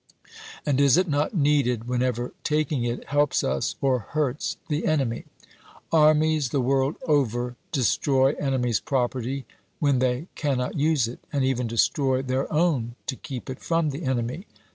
And is it not needed whenever taking it helps us or hurts the enemy 1 Armies the world over destroy enemies' property when they cannot use it; and even destroy their own to keep it from the enemy.